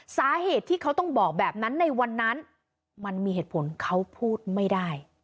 สาเหตุที่เขาต้องบอกแบบนั้นในวันนั้นมันมีเหตุผลเขาพูดไม่ได้